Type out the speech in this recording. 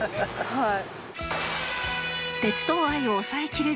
はい。